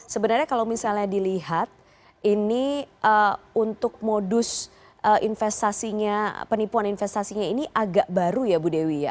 sebenarnya kalau misalnya dilihat ini untuk modus investasinya penipuan investasinya ini agak baru ya bu dewi ya